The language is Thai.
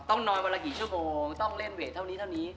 ต้องนอนวันละกี่ชั่วโมงต้องเล่นเวทเท่านี้